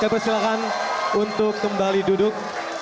kami persilakan untuk kembali duduk